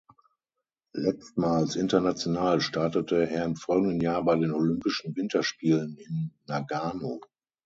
Letztmals international startete er im folgenden Jahr bei den Olympischen Winterspielen in Nagano.